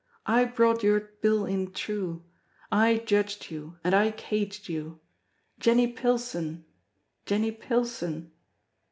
I brought your bill in true! I judged you, and I caged you! Jenny Pilson! Jenny Pilson!"